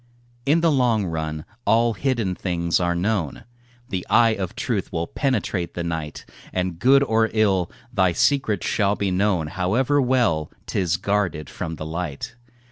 In the long run all hidden things are known, The eye of truth will penetrate the night, And good or ill, thy secret shall be known, However well 'tis guarded from the light.